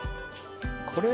これ。